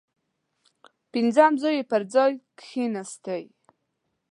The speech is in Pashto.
پنځم زوی یې پر ځای کښېنستی.